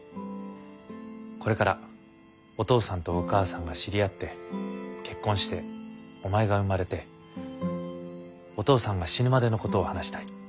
これからお父さんとお母さんが知り合って結婚してお前が生まれてお父さんが死ぬまでのことを話したい。